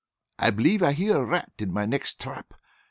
"I believe I hear a rat in my next trap.